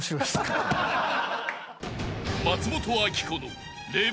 ［松本明子の］